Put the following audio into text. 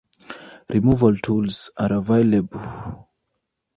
Removal tools are available.